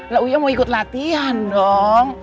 lah uya mau ikut latihan dong